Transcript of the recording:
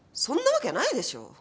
そんなわけないでしょ。